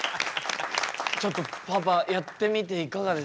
ちょっとパーパーやってみていかがでした？